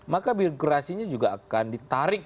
maka birokrasinya juga akan ditarik